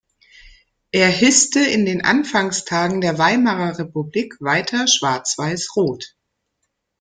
Er hisste in den Anfangstagen der Weimarer-Republik weiter Schwarz-Weiß-Rot.